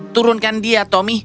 turunkan dia tommy